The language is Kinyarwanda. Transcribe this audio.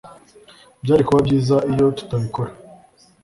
Byari kuba byiza iyo tutabikora